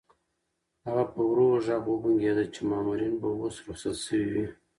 هغه په ورو غږ وبونګېده چې مامورین به اوس رخصت شوي وي.